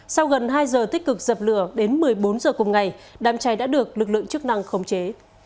sau gần hai giờ tích cực dập lửa đến một mươi bốn giờ cùng ngày đám cháy đã được lực lượng chức năng khống chế